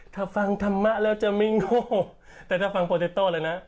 ถ้าฟังธรรมะแล้วจะไม่โง่แต่ถ้าฟังโปรเจโต้เลยนะ